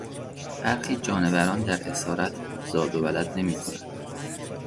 برخی جانوران در اسارت زاد و ولد نمیکنند.